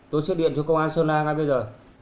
tôi xếp điện cho công an sơn na ngay bây giờ